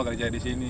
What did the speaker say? kerja di sini